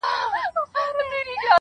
o نو زه له تاسره.